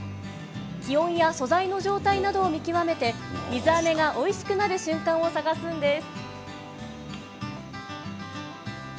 気温や素材の状態などを見極めて水あめがおいしくなる瞬間を探すんです。